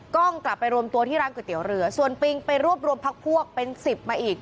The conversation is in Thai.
กล้องกลับไปรวมตัวที่ร้านก๋วยเตี๋ยวเรือส่วนปิงไปรวบรวมพักพวกเป็นสิบมาอีก